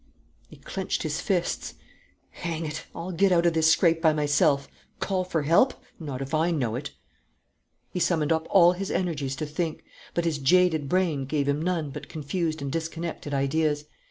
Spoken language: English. He clenched his fists. "Hang it! I'll get out of this scrape by myself! Call for help? Not if I know it!" He summoned up all his energies to think, but his jaded brain gave him none but confused and disconnected ideas.